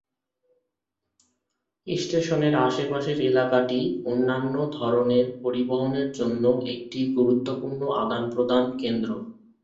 স্টেশনের আশেপাশের এলাকাটি অন্যান্য ধরনের পরিবহনের জন্য একটি গুরুত্বপূর্ণ আদান-প্রদান কেন্দ্র।